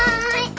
はい！